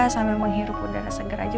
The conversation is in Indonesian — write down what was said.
sambil menghirup udara segar aja